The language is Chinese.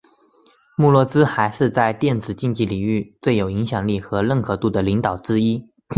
穆洛兹还是在电子竞技领域最有影响力和认可度的领导人之一。